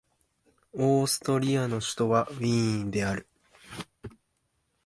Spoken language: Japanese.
オーストリアの首都はウィーンである